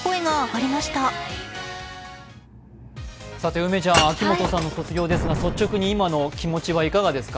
梅ちゃん、秋元さんの卒業ですが率直に今のお気持ち、いかがですか。